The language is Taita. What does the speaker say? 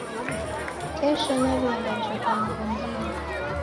Kesho naw'eenda joka mghondinyi